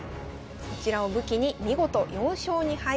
こちらを武器に見事４勝２敗。